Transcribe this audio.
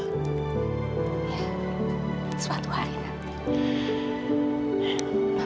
ya suatu hari nanti